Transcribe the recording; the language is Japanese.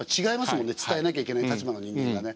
もんね伝えなきゃいけない立場の人間がね。